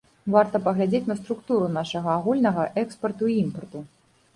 Варта паглядзець на структуру нашага агульнага экспарту і імпарту.